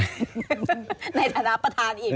ในฐานะประธานอีก